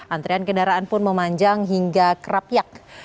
antrian kendaraan pun memanjang hingga kerapyak